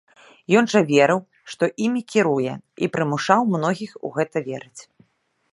Ён жа верыў, што імі кіруе, і прымушаў многіх у гэта верыць.